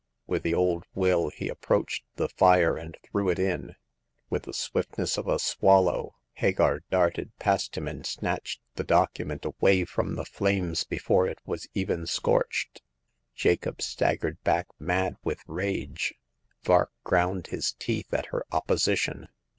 With the old will he ap proached the fire, and threw it in. With the swiftness of a swallow Hagar darted past him and snatched the document away from the flames before it was even scorched. Jacob staggered back, mad with rage. Vark ground his teeth at her opposition.